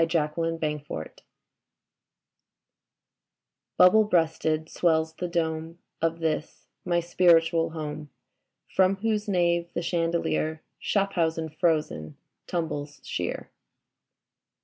3 8 Leda FRASCATI'S BUBBLE BREASTED swells the dome Of this my spiritual home. From whose nave the chandelier. Schaffhausen frozen, tumbles sheer.